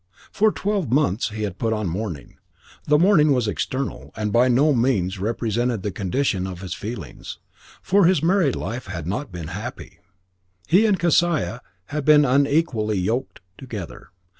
For twelve months he put on mourning. The mourning was external, and by no means represented the condition of his feelings; for his married life had not been happy. He and Kesiah had been unequally yoked together.